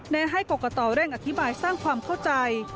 ให้กรกตเร่งอธิบายสร้างความเข้าใจ